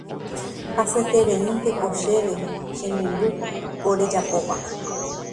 Hasyetereínteko chéve che memby ko rejapóva